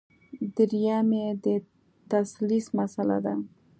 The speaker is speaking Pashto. درېیم یې د تثلیث مسله ده.